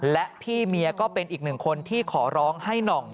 และพี่เมียก็เป็นอีกหนึ่งคนที่ขอร้องให้หน่อง